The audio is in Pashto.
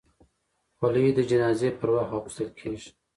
خولۍ د جنازې پر وخت اغوستل کېږي.